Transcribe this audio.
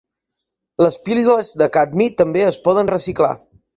Les piles de cadmi també es poden reciclar.